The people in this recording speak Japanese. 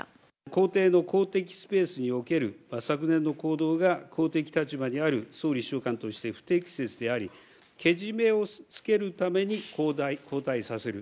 公邸の公的スペースにおける昨年の行動が、公的立場にある総理秘書官として不適切であり、けじめをつけるために交代させる。